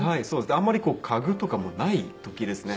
あんまり家具とかもない時ですね。